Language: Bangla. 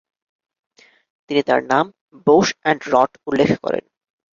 তিনি তার নাম "বোশ অ্যান্ড রট" উল্লেখ করেন।